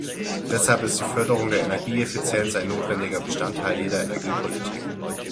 Deshalb ist die Förderung der Energieeffizienz ein notwendiger Bestandteil jeder Energiepolitik.